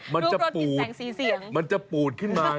มันจะปูดมันจะปูดขึ้นมา